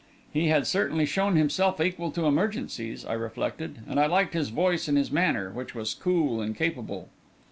He had certainly shown himself equal to emergencies, I reflected; and I liked his voice and his manner, which was cool and capable.